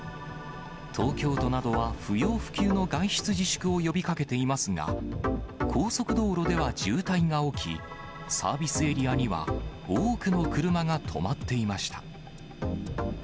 東京都などは不要不急の外出自粛を呼びかけていますが、高速道路では渋滞が起き、サービスエリアには多くの車が止まっていました。